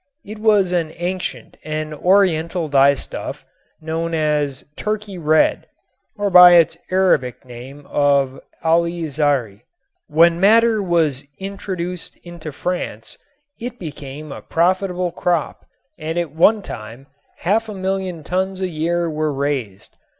It was an ancient and oriental dyestuff, known as "Turkey red" or by its Arabic name of "alizari." When madder was introduced into France it became a profitable crop and at one time half a million tons a year were raised.